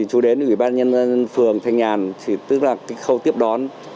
chú đến ubnd phường thanh nhàn tức là khâu tiếp đón